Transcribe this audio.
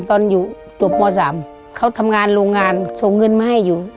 ตอนอยู่จบม๓เขาทำงานโรงงานส่งเงินมาให้อยู่